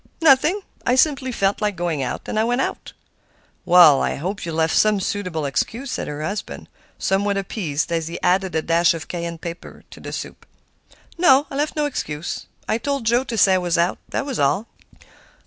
"Nothing. I simply felt like going out, and I went out." "Well, I hope you left some suitable excuse," said her husband, somewhat appeased, as he added a dash of cayenne pepper to the soup. "No, I left no excuse. I told Joe to say I was out, that was all."